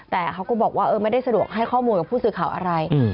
แต่เขาก็บอกว่าไม่ได้สะดวกให้ข้อมูลกับผู้สื่อข่าวอะไร